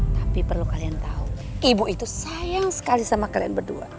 tapi perlu kalian tahu ibu itu sayang sekali sama kalian berdua